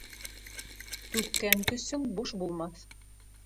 Түккән көсөң буш булмаҫ